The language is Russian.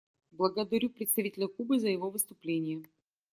Благодарю представителя Кубы за его выступление.